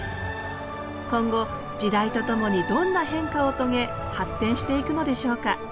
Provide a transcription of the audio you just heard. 今後時代とともにどんな変化を遂げ発展していくのでしょうか。